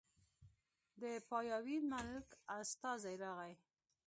د پاياوي ملک استازی راغی